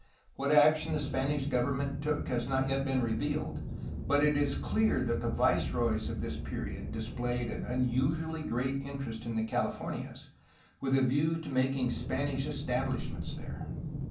What action the Spanish government took has not yet been revealed, but it is clear that the viceroys of this period displayed an unusually great interest in the Californias, with a view to making Spanish establishments there.